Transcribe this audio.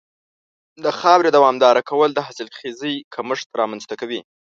د خاورې دوامداره کارول د حاصلخېزۍ کمښت رامنځته کوي.